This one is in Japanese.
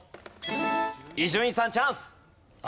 伊集院さんチャンス！